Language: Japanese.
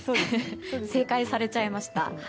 正解されちゃいました。